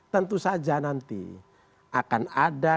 tentu saja nanti akan ada